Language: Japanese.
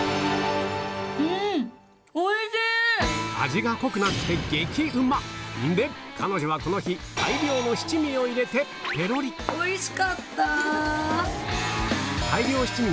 味が濃くなってで彼女はこの日大量の七味を入れておいしかった！